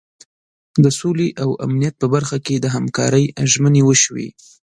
د سولې او امنیت په برخه کې د همکارۍ ژمنې وشوې.